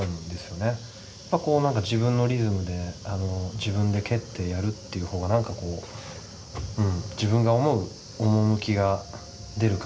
まあこう何か自分のリズムで自分で蹴ってやるっていう方が何かこううん自分が思う趣が出る感じがするんですよね。